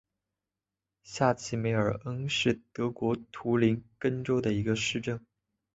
下齐梅尔恩是德国图林根州的一个市镇。